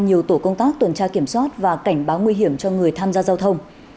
nhiều tổ công tác tuần tra kiểm soát và cảnh báo nguy hiểm cho người tham gia giao thông